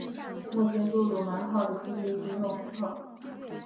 目前杜鲁门号的基地是诺福克。